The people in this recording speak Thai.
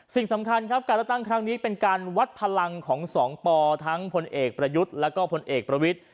สิ่งสำคัญครับการเลือกตั้งครั้งนี้เป็นการวัดพลังของสองปทั้งพลเอกประยุทธ์แล้วก็พลเอกประวิทธิ